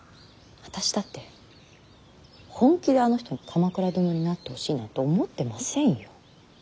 私だって本気であの人に鎌倉殿になってほしいなんて思ってませんよ。